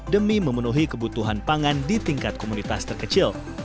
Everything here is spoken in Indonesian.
demi memenuhi kebutuhan pangan di tingkat komunitas terkecil